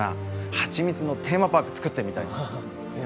ハチミツのテーマパークつくってみたいんです